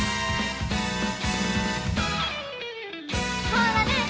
「ほらね」